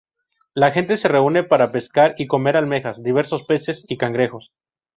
La gente se reúne para pescar y comer Almejas, diversos peces y cangrejos.